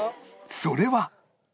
それは